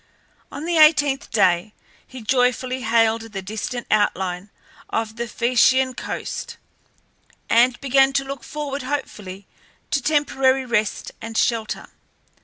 On the eighteenth day he joyfully hailed the distant outline of the Phaeacian coast, and began to look forward hopefully to temporary rest and shelter.